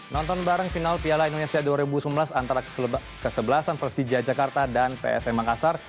nonton bareng final piala indonesia dua ribu sembilan belas antara kesebelasan persija jakarta dan psm makassar